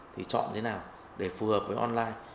thì chọn thế nào để phù hợp với online